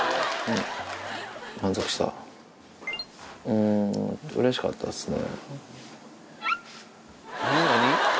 うんうれしかったですね。